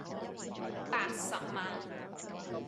八十萬